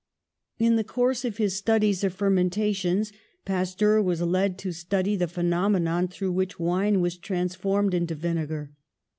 In the course of his studies of fermentations Pasteur was led to study the phenomenon through which wine was transformed into vinegar.